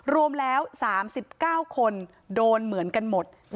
รวมแล้ว๓๙คนโดนเหมือนกันหมด